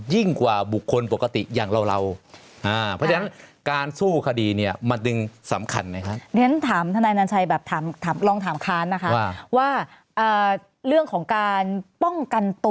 ยิ่งกว่าบุคคลปกติอย่างเราเพราะฉะนั้นการสู้คดีเนี่ยมันดึงสำคัญนะครับ